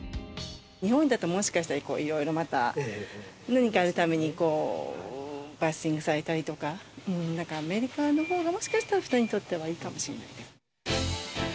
日本だともしかしたらいろいろまた、何かあるたびに、バッシングされたりとか、だからアメリカのほうが、もしかしたら２人にとってはいいかもしれないです。